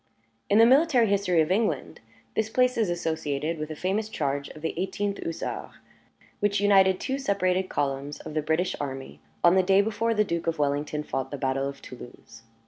In the military history of England, this place is associated with a famous charge of the Eighteenth Hussars, which united two separated columns of the British army on the day before the Duke of Wellington fought the battle of Toulouse.